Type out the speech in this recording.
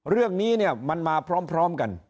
เรื่องนี้เนี่ยมันมาพร้อมกัน